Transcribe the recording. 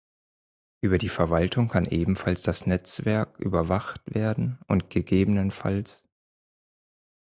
Über die Verwaltung kann ebenfalls das Netzwerk überwacht werden und ggf.